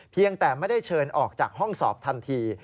แต่ไม่ได้เชิญออกจากห้องสอบทันที